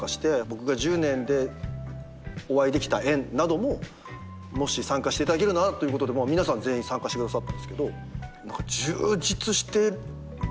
僕が１０年でお会いできた縁などももし参加していただけるならということで皆さん全員参加してくださったんですけど。